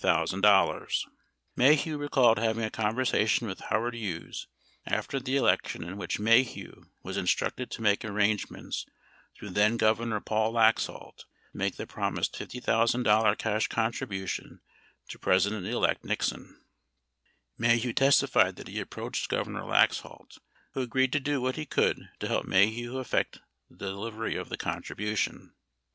60 Maheu recalled having a conversation with Howard Hughes after the election in which Maheu was instructed to make arrangements through then Governor Paul Laxalt to make the promised $50,000 cash contribution to President elect Nixon. Maheu testified that he approached Governor Laxalt who agreed to do what he could to help Maheu effect the delivery of the con tribution.